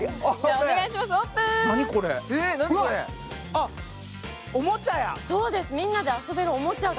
あっ、おもちゃや！